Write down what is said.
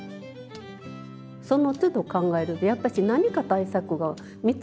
そのつど考えるんでやっぱし何か対策が見つかるんですね。